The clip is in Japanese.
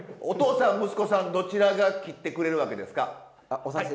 お父さん息子さんどちらが切ってくれるわけですか？